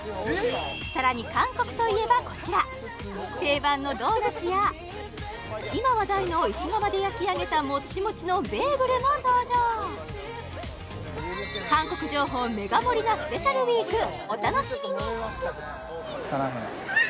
さらに韓国といえばこちら定番のドーナツや今話題の石窯で焼き上げたもっちもちのベーグルも登場韓国情報メガ盛りなスペシャルウィークお楽しみに！